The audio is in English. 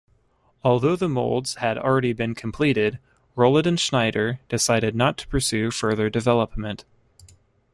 Although the moulds had already been completed, Rolladen-Schneider decided not to pursue further development.